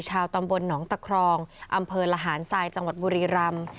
ชาวตำบลหนองตะครองอำเภอละหารทรายจังหวัดบุรีรำ